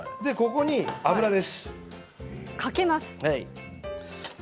ここに油です。